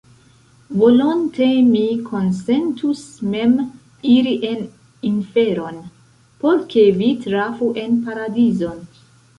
Volonte mi konsentus mem iri en inferon, por ke vi trafu en paradizon!